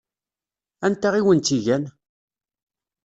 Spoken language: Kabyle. Anta i wen-tt-igan?